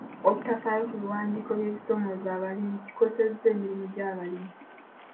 Obutafaayo ku biwandiiko by'ebisoomooza abalimi kikosezza emirimu gy'abalimi.